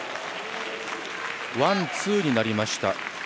ワン、ツーになりました。